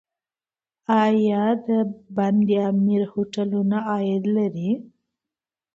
آیا د بند امیر هوټلونه عاید لري؟